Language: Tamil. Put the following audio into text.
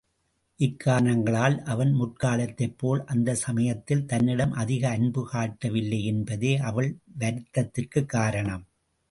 இக்காரணங்களால் அவன் முற்காலத்தைப் போல் அந்தச் சமயத்தில் தன்னிடம் அதிக அன்பு காட்டவில்லை என்பதே அவள் வருத்தத்திற்குக் காரணம்.